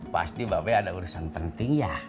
pasti mba be ada urusan penting ya